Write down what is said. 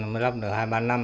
mới lắp được hai ba năm